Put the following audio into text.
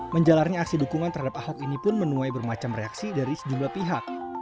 menjalarnya aksi dukungan terhadap ahok ini pun menuai bermacam reaksi dari sejumlah pihak